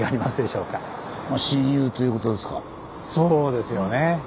そうですよね。